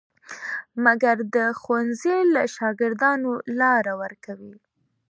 مګر د ښوونځیو له شاګردانو لاره ورکوي.